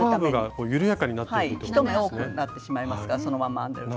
１目多くなってしまいますからそのまま編んでると。